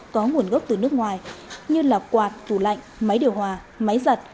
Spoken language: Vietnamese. có nguồn gốc từ nước ngoài như là quạt tủ lạnh máy điều hòa máy giặt